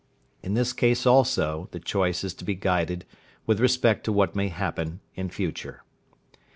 In this case also the choice is to be guided with respect to what may happen in future.